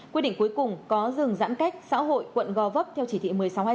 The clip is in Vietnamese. quyết định cuối cùng có dừng giãn cách xã hội quận gò vấp theo chỉ thị một mươi sáu hai mươi